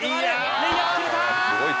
レイアップ決めた！